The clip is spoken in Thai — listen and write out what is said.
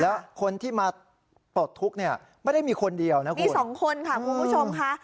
แล้วคนที่มาปลดทุกข์เนี่ยไม่ได้มีคนเดียวนะคุณมีสองคนค่ะคุณผู้ชมค่ะ